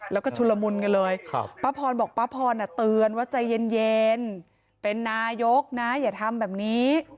แล้วก็ชุลมุนกันเลยป้าพรบอกป้าพรเตือนว่าใจเย็นเป็นนายกนะอย่าทำแบบนี้